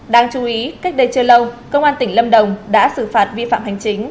đáng chú ý cách đây chưa lâu công an tỉnh lâm đồng đã xử phạt vi phạm hành chính